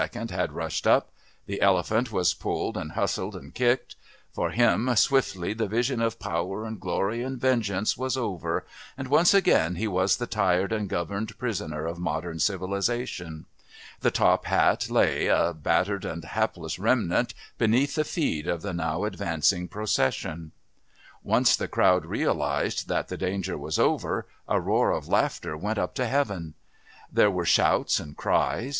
had rushed up; the elephant was pulled and hustled and kicked; for him swiftly the vision of power and glory and vengeance was over, and once again he was the tied and governed prisoner of modern civilisation. The top hat lay, a battered and hapless remnant, beneath the feet of the now advancing procession. Once the crowd realised that the danger was over a roar of laughter went up to heaven. There were shouts and cries.